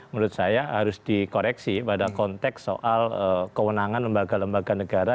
menurut saya harus dikoreksi pada konteks soal kewenangan lembaga lembaga negara